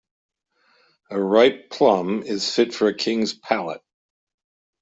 A ripe plum is fit for a king's palate.